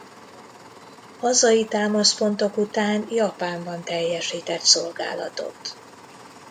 Hazai támaszpontok után Japánban teljesített szolgálatot.